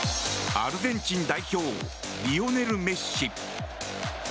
アルゼンチン代表リオネル・メッシ。